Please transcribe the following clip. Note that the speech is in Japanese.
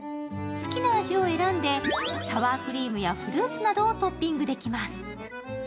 好きな味を選んでサワークリームやフルーツなどをトッピングできます。